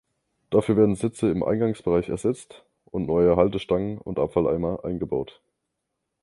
Dafür werden Sitze im Eingangsbereich ersetzt und neue Haltestangen und Abfalleimer eingebaut.